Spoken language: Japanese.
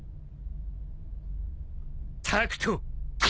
タクト。